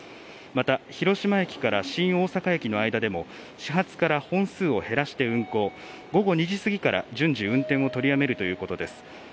また広島駅から新大阪駅の間でも始発から本数を減らして運行、午後２時過ぎから順次、運転を取りやめるということです。